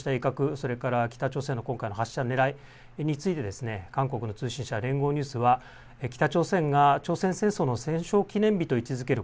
こうした威嚇、それから北朝鮮の今回の発射のねらいについて韓国の通信社、連合ニュースは北朝鮮が朝鮮戦争の戦勝記念日と位置づける